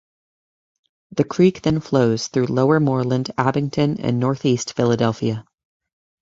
The creek then flows through Lower Moreland, Abington and Northeast Philadelphia.